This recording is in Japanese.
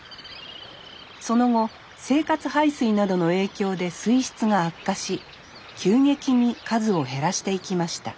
その後生活排水などの影響で水質が悪化し急激に数を減らしていきました